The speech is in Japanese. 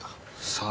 さあ。